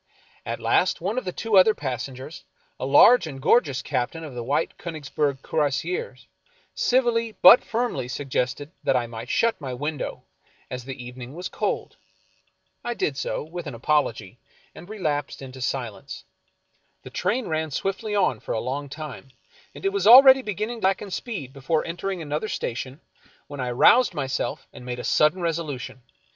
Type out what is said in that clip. At last one of the two other passengers, a large and gorgeous captain of the White Konigsberg Cuirassiers, civilly but firmly suggested that I might shut my window, as the evening was cold. I did so, with an apology, and relapsed into silence. The train ran swiftly on for a long time, and it was already beginning to slacken speed before entering another station, when I roused myself and made a sudden resolution.